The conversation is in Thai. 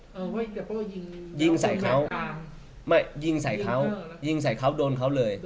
เอาไว้กระโป้ยิงยิงใส่เขาไม่ยิงใส่เขายิงใส่เขาโดนเขาเลย